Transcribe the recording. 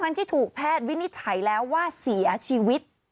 ที่ถูกแพทย์วินิจฉัยแล้วว่าเสียชีวิต